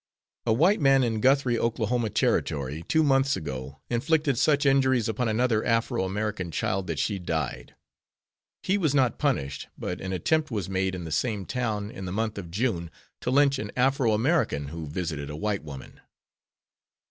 A white man in Guthrie, Oklahoma Territory, two months ago inflicted such injuries upon another Afro American child that she died. He was not punished, but an attempt was made in the same town in the month of June to lynch an Afro American who visited a white woman.